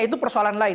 itu persoalan lain